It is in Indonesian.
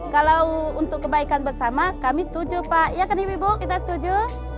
kalau untuk kebaikan bersama kami setuju pak ya kan ibu ibu kita setuju